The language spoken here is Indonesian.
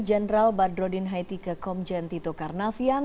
jenderal badrodin haitike komjen tito karnavian